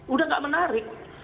udah nggak menarik